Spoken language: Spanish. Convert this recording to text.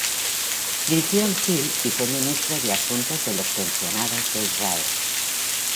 Dirigió el Gil y fue ministro de Asuntos de los Pensionados de Israel.